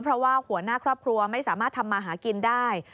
เพราะว่าหัวหน้าครอบครัวไม่สามารถทำมาหากินได้